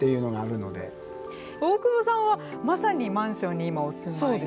大久保さんはまさにマンションに今お住まいで。